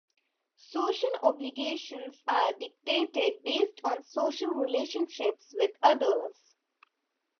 Social obligations are dictated based on social relationships with others.